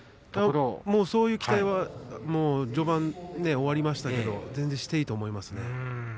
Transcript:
そういう期待は序盤終わりましたけど全然していいと思います。